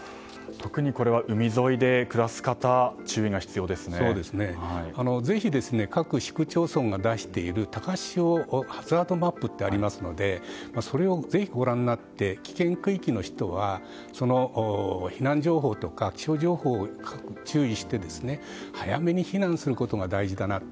特にこれは海沿いで暮らす方はぜひ、各市区町村が出している高潮ハザードマップがありますのでそれをぜひご覧になって危険区域の方は避難情報とか気象情報に注意して早めに避難することが大事だと。